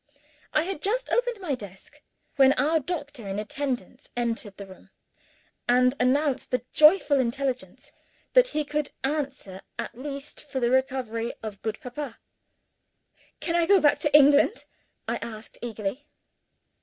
I had just opened my desk when our doctor in attendance entered the room, and announced the joyful intelligence that he could answer at last for the recovery of good Papa. "Can I go back to England?" I asked eagerly.